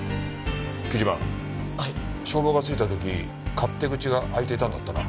木島消防が着いた時勝手口が開いていたんだったな？